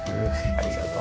ありがとう。